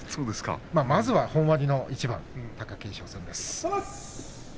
まずは本割の一番貴景勝戦ですね。